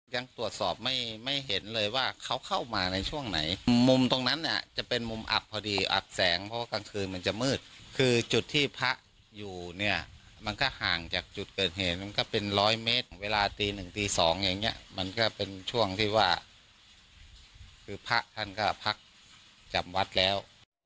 ยังตรวจสอบไม่ไม่เห็นเลยว่าเขาเข้ามาในช่วงไหนมุมตรงนั้นเนี่ยจะเป็นมุมอับพอดีอับแสงเพราะว่ากลางคืนมันจะมืดคือจุดที่พระอยู่เนี่ยมันก็ห่างจากจุดเกิดเหตุมันก็เป็นร้อยเมตรเวลาตีหนึ่งตีสองอย่างเงี้ยมันก็เป็นช่วงที่ว่าคือพระท่านก็พักจำวัดแล้ว